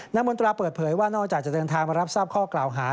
มนตราเปิดเผยว่านอกจากจะเดินทางมารับทราบข้อกล่าวหา